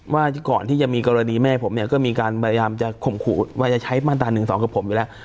ว่าก่อนที่จะมีกรณีแม่ผมเนี่ยก็มีการพยายามจะข่มขู่ว่าจะใช้มาตรา๑๒กับผมอยู่แล้ว